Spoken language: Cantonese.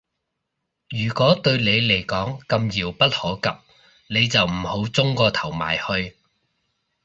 如果對你嚟講咁遙不可及，你就唔好舂個頭埋去